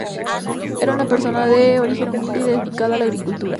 Era una persona de origen humilde y dedicada a la agricultura.